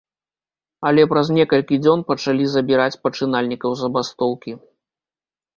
Але праз некалькі дзён пачалі забіраць пачынальнікаў забастоўкі.